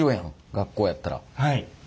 学校やったら。